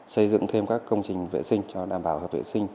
xây dựng thêm các công trình vệ sinh cho đảm bảo hợp vệ sinh